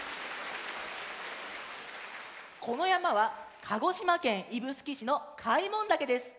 このやまは鹿児島県指宿市の開聞岳です。